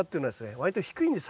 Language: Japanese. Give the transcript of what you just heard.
割と低いんです